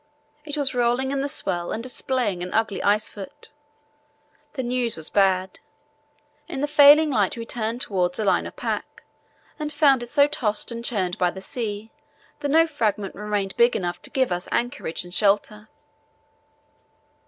It was rolling in the swell and displaying an ugly ice foot. The news was bad. In the failing light we turned towards a line of pack, and found it so tossed and churned by the sea that no fragment remained big enough to give us an anchorage and shelter.